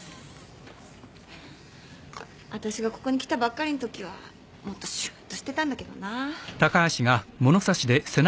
わたしがここに来たばっかりのときはもっとしゅっとしてたんだけどな。